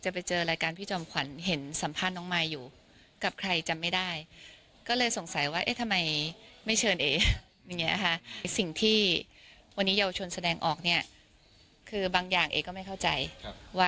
พี่กัสะที่เป็นการสิ่งที่ยังเรียนไม่จบ